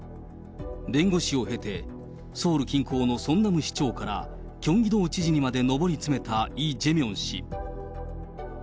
弁護士を経て、ソウル近郊のソンナム市長からキョンギ道知事にまで上り詰めたイ・ジェミョン氏。